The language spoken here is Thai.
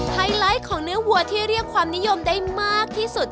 ไฮไลท์ของเนื้อวัวที่เรียกความนิยมได้มากที่สุด